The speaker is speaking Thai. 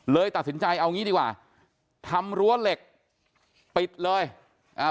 เลยตัดสินใจเอางี้ดีกว่าทำรั้วเหล็กปิดเลยอ่า